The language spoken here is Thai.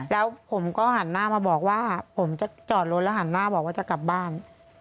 แล้วผมก็หันหน้ามาบอกว่าผมจะจอดรถแล้วหันหน้าบอกว่าจะกลับบ้าน